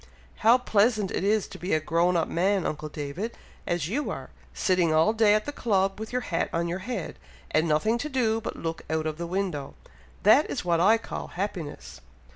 How pleasant it is to be a grown up man, uncle David, as you are, sitting all day at the club with your hat on your head, and nothing to do but look out of the window. That is what I call happiness!"